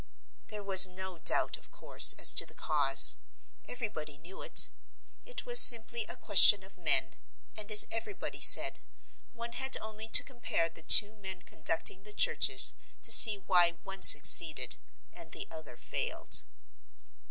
There was no doubt, of course, as to the cause. Everybody knew it. It was simply a question of men, and, as everybody said, one had only to compare the two men conducting the churches to see why one succeeded and the other failed.